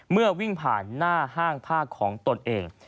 วิ่งผ่านหน้าห้างผ้าของตนเอง